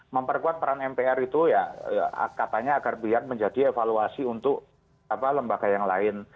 memperkuat peran mpr itu ya katanya agar biar menjadi evaluasi untuk lembaga yang lain